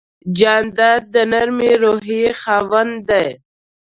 جانداد د نرمې روحیې خاوند دی.